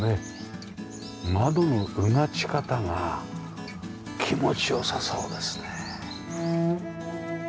窓のうがち方が気持ちよさそうですね。